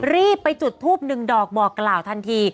รีบไปจุดทูบหนึ่งดอกบอกกล่าวทันที